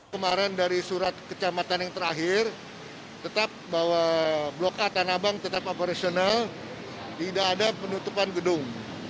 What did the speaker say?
kemarin dari surat kecamatan yang terakhir tetap bahwa blok a tanahbang tetap operasional tidak ada penutupan gedung